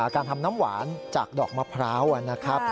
การทำน้ำหวานจากดอกมะพร้าวนะครับ